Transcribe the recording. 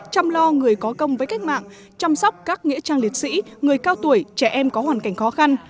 chăm lo người có công với cách mạng chăm sóc các nghĩa trang liệt sĩ người cao tuổi trẻ em có hoàn cảnh khó khăn